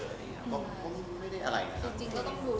เขาไม่ได้อะไรนะครับ